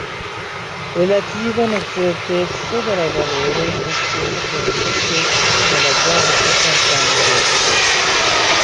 Relativa necerteco de la valoro estas ĉefe pro necerteco de la gravita konstanto "G".